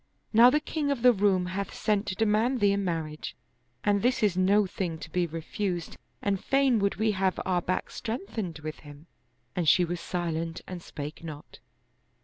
Now the king of the Roum hath sent to demand thee in marriage, and this is no thing to be refused and fain would we have our back 69 Oriental Mystery Stories strengthened with him." And she was silent and spake not.